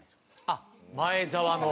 あっ「前澤」の？